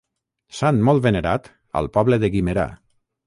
Sant molt venerat al poble de Guimerà.